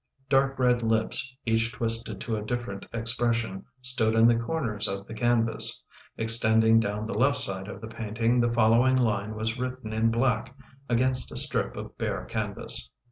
Dark red lips, each twisted to a different expression, stood in the corners of the canvas. Extending down the left side of the painting the follow ing line was written in black against a strip of bare canvas.